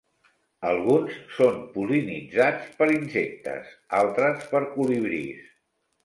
Alguns són pol·linitzats per insectes, altres per colibrís.